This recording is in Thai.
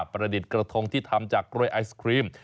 ประดิษฐ์กระทงที่ทำจากกล้วยไอศครีม